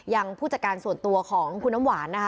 ผู้จัดการส่วนตัวของคุณน้ำหวานนะคะ